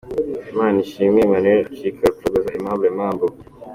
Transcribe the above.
Imanishimwe Emmanuel acika Rucogoza Aimable Mambo.